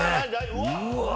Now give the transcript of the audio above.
うわ！